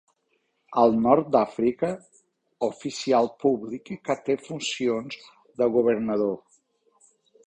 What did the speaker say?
Al nord d'Àfrica, oficial públic que té funcions de governador.